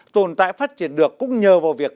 tồn tại phát triển được cũng nhờ vào việc